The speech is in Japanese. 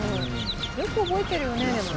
よく覚えてるよねでも。